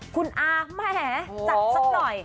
คุณอาแหมจัดสักหน่อย